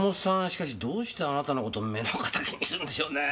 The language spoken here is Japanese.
しかしどうしてあなたの事を目の敵にするんでしょうね。